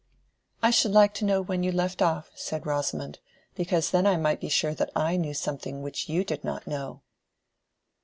"I should like to know when you left off," said Rosamond, "because then I might be sure that I knew something which you did not know."